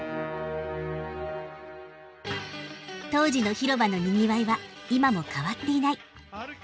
当時の広場のにぎわいは今も変わっていない。